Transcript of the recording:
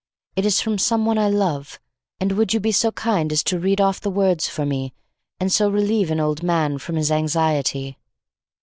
It is from some one I love, and would you be so kind as to read off the words for me and so relieve an old man from his anxiety."